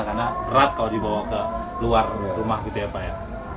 karena berat kalau dibawa ke luar rumah gitu ya pak ya